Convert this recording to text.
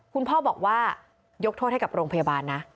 คุณพ่อบอกว่ายกโทษให้กับโรงพยาบาลนะ